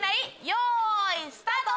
よいスタート！